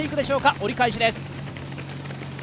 折り返しです。